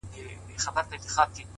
څوك مي دي په زړه باندي لاس نه وهي’